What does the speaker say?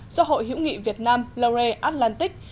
do hội hiễu nghị việt nam l oré atlantique